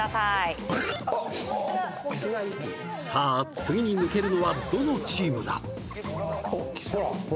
綱引きさあ次に抜けるのはどのチームだ？